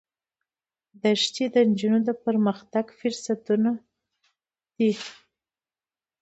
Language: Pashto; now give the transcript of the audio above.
دښتې د نجونو د پرمختګ فرصتونه دي.